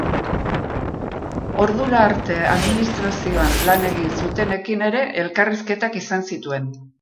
Ordura arte administrazioan lan egin zutenekin ere elkarrizketak izan zituen.